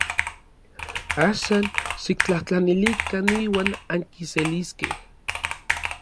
Axan xiktlajtlanilikan iuan ankiseliskej.